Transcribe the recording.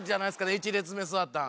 １列目座ったん。